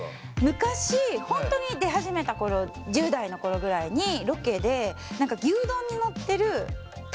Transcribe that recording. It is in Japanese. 昔本当に出始めた頃１０代の頃ぐらいにロケで何か牛丼に載ってる卵あるじゃないですか。